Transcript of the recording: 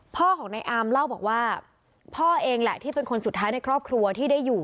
พ่อของในอามเล่าบอกว่าพ่อเองแหละที่เป็นคนสุดท้ายในครอบครัวที่ได้อยู่